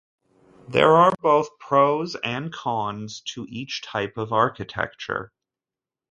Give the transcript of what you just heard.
There are both pros and cons to each type of architecture.